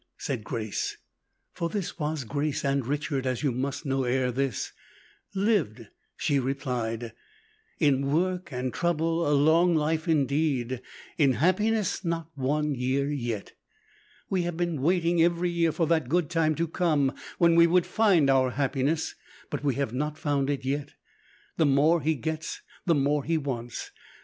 said Grace for this was Grace and Richard, as you must know ere this "lived!" she replied; "in work and trouble a long life indeed; in happiness, not one year yet. We have been waiting every year for that good time to come when we would find our happiness; we have not found it yet. The more he gets, the more he wants.